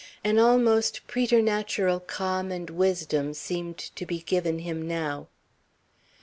An almost preternatural calm and wisdom seemed to be given him now.